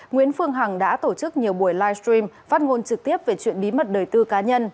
nguyễn phương hằng đã tổ chức nhiều buổi livestream phát ngôn trực tiếp về chuyện bí mật đời tư cá nhân